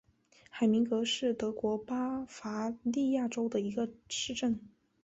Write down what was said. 海明格是德国巴伐利亚州的一个市镇。